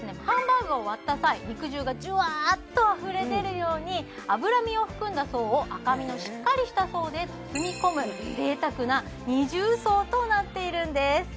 ハンバーグを割った際肉汁がじゅわーっとあふれ出るように脂身を含んだ層を赤身のしっかりした層で包み込む贅沢な二重層となっているんです